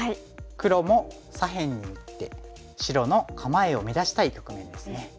黒も左辺に打って白の構えを乱したい局面ですね。